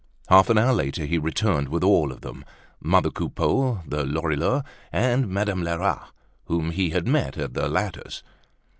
Half an hour later he returned with all of them, mother Coupeau, the Lorilleuxs, and Madame Lerat, whom he had met at the latter's.